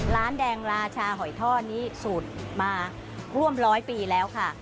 ร้านแดงราชาหอยท่อนี้สูตรมาร่วมร้อยปีแล้วค่ะ